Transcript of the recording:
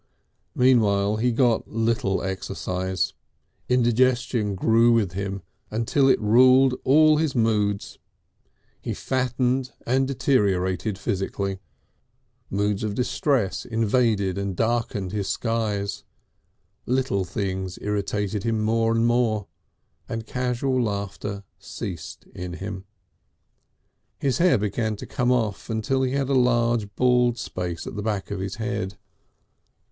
Meanwhile he got little exercise, indigestion grew with him until it ruled all his moods, he fattened and deteriorated physically, moods of distress invaded and darkened his skies, little things irritated him more and more, and casual laughter ceased in him. His hair began to come off until he had a large bald space at the back of his head.